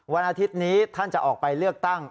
วันอาทิตย์นี้ท่านจะออกไปเลือกตั้ง